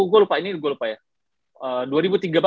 dua ribu gua lupa ini gua lupa ya